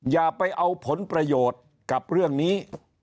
อย่าไปเอาผลประโยชน์กับเรื่องนี้